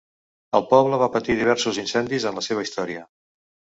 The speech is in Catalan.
El poble va patir diversos incendis en la seva història.